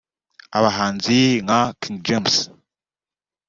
abahanzi nka King James